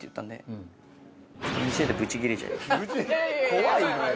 怖いのよ。